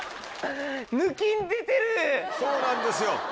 そうなんですよ。